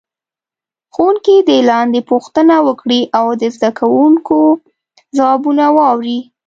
ښوونکی دې لاندې پوښتنه وکړي او د زده کوونکو ځوابونه واوري.